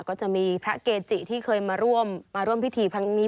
ก็จะมีพระเกจิที่เคยมาร่วมพิธีพรรณนี้